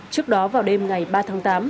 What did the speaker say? trước đó vào đêm ngày ba tháng tám